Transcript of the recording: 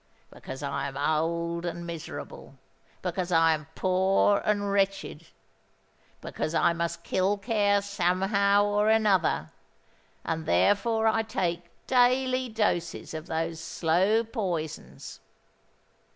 Because I am old and miserable; because I am poor and wretched; because I must kill care somehow or another; and therefore I take daily doses of those slow poisons."